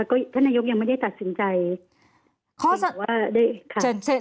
ก็ท่านนโยคยังไม่ได้ตัดสินใจ